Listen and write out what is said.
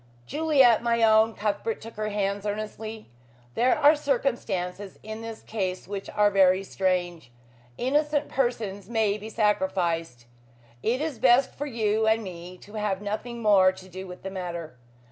"Juliet, my own," Cuthbert took her hands earnestly, "there are circumstances in this case which are very strange. Innocent persons may be sacrificed. It is best for you and me to have nothing more to do with the matter.